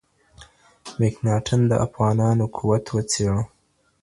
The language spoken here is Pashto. مکناتن د افغانانو قوت وڅېړ.